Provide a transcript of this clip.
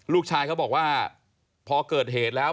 ลูกชายเขาบอกว่าพอเกิดเหตุแล้ว